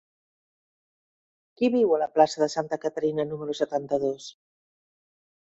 Qui viu a la plaça de Santa Caterina número setanta-dos?